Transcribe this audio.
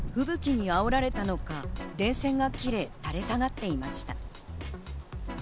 吹雪にあおられたのか、電線が切れ垂れ下がっていました。